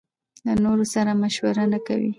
له نورو سره مشوره نکوي.